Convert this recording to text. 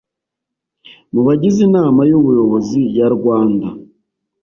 mu bagize Inama y Ubuyobozi ya Rwanda